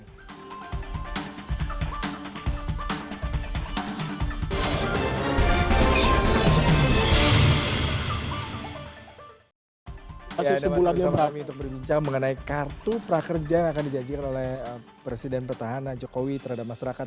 ya ada masalah bersama kami untuk berbincang mengenai kartu prakerja yang akan dijadikan oleh presiden pertahanan jokowi terhadap masyarakat